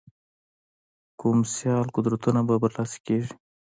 کوم سیال قدرتونه به برلاسي کېږي.